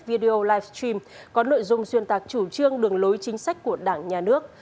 video live stream có nội dung xuyên tạc chủ trương đường lối chính sách của đảng nhà nước